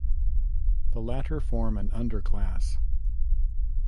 The latter form an underclass.